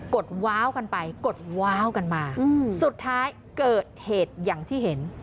ดว้าวกันไปกดว้าวกันมาสุดท้ายเกิดเหตุอย่างที่เห็น